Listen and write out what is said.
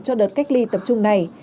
cho đợt cách ly tập trung này